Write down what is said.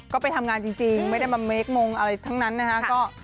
ก็ไปทำงานจริงไม่ได้มาเมคมงอะไรทั้งนั้นนะฮะ